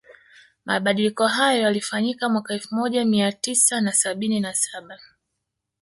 Mabadiliko hayo yalifanyika mwaka elfu moja mia tisa na sabini na saba